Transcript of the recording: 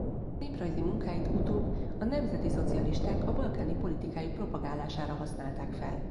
Néprajzi munkáit utóbb a nemzetiszocialisták a balkáni politikájuk propagálására használták fel.